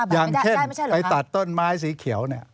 อย่างเช่นไปตัดต้นไม้สีเขียวเนี่ย